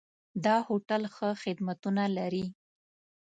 دا هوټل ښه خدمتونه لري.